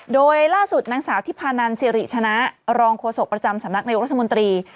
โดยล่าสุดนางสาวทิพานันสิริชนะรองโฆษกประจำสำนักนายกรัฐมนตรี